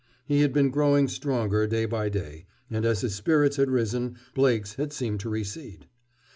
He had been growing stronger, day by day, and as his spirits had risen Blake's had seemed to recede.